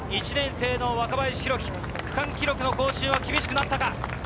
１年生の若林宏樹、区間記録の更新は厳しくなったか。